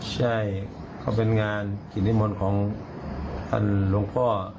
ใช่เขาเป็นงานกินที่มนตร์ของท่านลงพ่อ